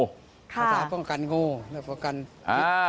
คาถาพวกกันงูหรือพวกกันพิษ